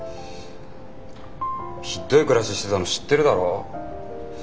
ひっどい暮らししてたの知ってるだろ？